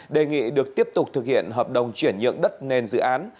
đề nghị được tiếp tục thực hiện hợp đồng chuyển nhượng đất nền dự án